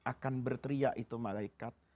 akan berteriak itu malaikat